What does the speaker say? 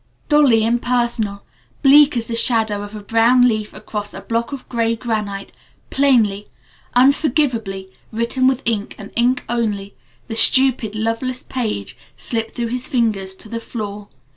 Dully impersonal, bleak as the shadow of a brown leaf across a block of gray granite, plainly unforgivably written with ink and ink only, the stupid, loveless page slipped through his fingers to the floor.